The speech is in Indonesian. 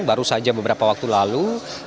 baru saja beberapa waktu lalu